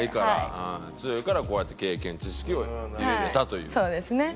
強いからこうやって経験知識を入れられたという。